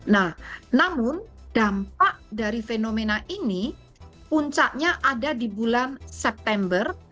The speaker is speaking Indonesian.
nah namun dampak dari fenomena ini puncaknya ada di bulan september